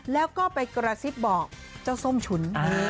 แล้วก็ไปกระซิบบอกเจ้าส้มฉุน